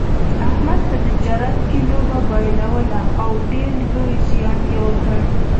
احمد په تجارت کې لوبه بایلوله او ډېر لوی زیان یې وکړ.